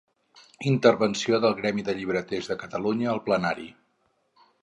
Intervenció del Gremi de Llibreters de Catalunya al plenari.